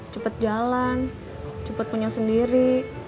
cepet jalan cepet punya sendiri